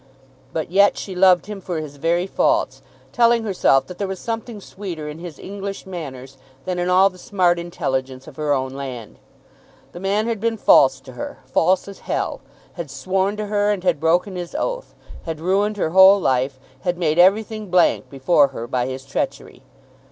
But yet she loved him for his very faults, telling herself that there was something sweeter in his English manners than in all the smart intelligence of her own land. The man had been false to her, false as hell; had sworn to her and had broken his oath; had ruined her whole life; had made everything blank before her by his treachery!